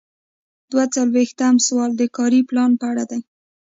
دوه څلویښتم سوال د کاري پلان په اړه دی.